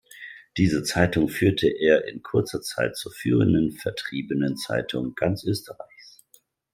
Diese Zeitung führte er in kurzer Zeit zur führenden Vertriebenen-Zeitung ganz Österreichs.